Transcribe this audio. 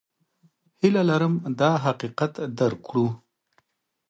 هیله لرم دا حقیقت درک کړو.